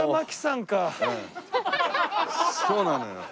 そうなのよ。